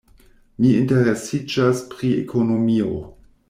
Mi interesiĝas pri ekonomio.